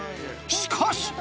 しかし。